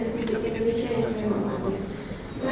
republik indonesia yang saya mengucapkan